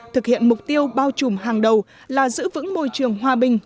thực hiện mục tiêu bao trùm hàng đầu là giữ vững môi trường hòa bình